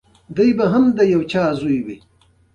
د هر توکي ارزښت له درېیو برخو جوړېږي